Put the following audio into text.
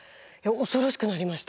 恐ろしくなりました。